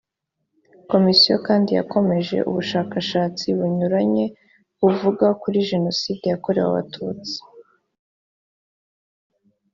komisiyo kandi yakomeje ubushakashatsi bunyuranye buvuga kuri jenoside yakorewe abatutsi